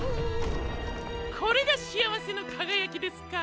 これが「しあわせのかがやき」ですか。